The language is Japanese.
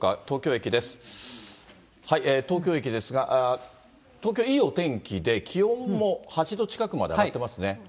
東京駅ですが、東京、いいお天気で、気温も８度近くまで上がってますね。